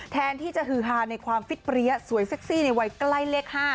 แทนที่จะฮือฮาในความฟิตเปรี้ยสวยเซ็กซี่ในวัยใกล้เลข๕